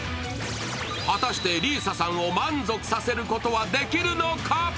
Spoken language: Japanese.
果たして里依紗さんを満足させることはできるのか？